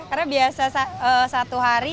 karena biasa satu hari